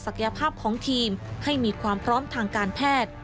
ภาพของทีมให้มีความพร้อมทางการแพทย์